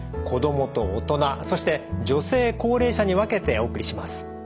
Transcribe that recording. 子どもと大人そして女性高齢者に分けてお送りします。